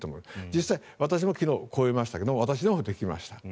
実際、私も昨日、越えましたけど私でも出来ました。